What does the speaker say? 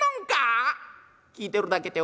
聞いてるだけ。